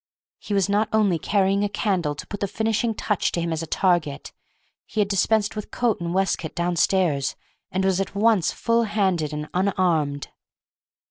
He was not only carrying a candle to put the finishing touch to him as a target; he had dispensed with coat and waistcoat downstairs, and was at once full handed and unarmed.